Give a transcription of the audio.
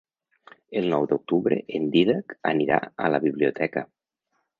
El nou d'octubre en Dídac anirà a la biblioteca.